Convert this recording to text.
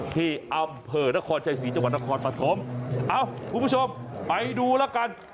ที่อำเภอนครชัยศรีจังหวัดนครปฐมเอ้าคุณผู้ชมไปดูแล้วกัน